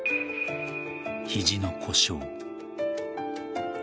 肘の故障。